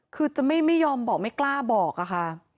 คือจะไม่ไม่ยอมบอกไม่กล้าบอก